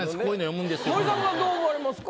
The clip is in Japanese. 森迫さんどう思われますか？